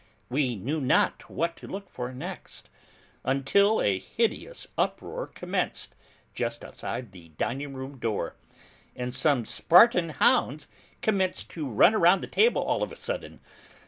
We knew not what to look for next, until a hideous uproar commenced, just outside the dining room door, and some Spartan hounds commenced to run around the table all of a sudden.